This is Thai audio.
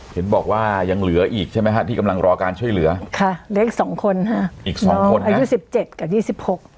คุณบอกว่ายังเหลืออีกใช่ไหมครับที่กำลังรอการช่วยเหลือค่ะเหลืออีก๒คนครับอายุ๑๗กับอายุ๑๖